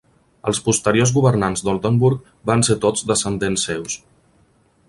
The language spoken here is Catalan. Els posteriors governants d'Oldenburg van ser tots descendents seus.